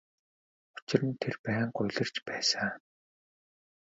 Учир нь тэр байнга улирч байсан.